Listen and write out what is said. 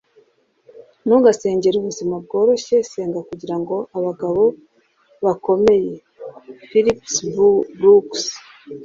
ntugasengere ubuzima bworoshye. senga kugira abagabo bakomeye! - phillips brooks